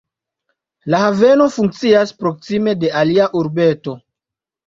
La haveno funkcias proksime de alia urbeto.